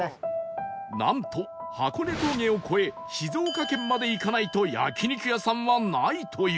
なんと箱根峠を越え静岡県まで行かないと焼肉屋さんはないという